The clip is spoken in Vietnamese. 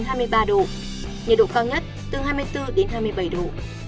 nhiệt độ cao nhất từ hai mươi bốn đến hai mươi bảy độ